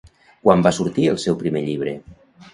Quan va sortir el seu primer llibre?